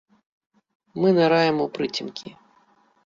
Мы ныраем у прыцемкі.